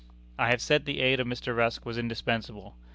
I have said the aid of Mr. Rusk was indispensable.